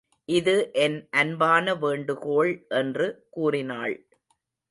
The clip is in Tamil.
இது என் அன்பான வேண்டுகோள் என்று கூறினாள்.